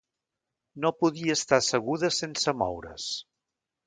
No podia estar asseguda sense moure's.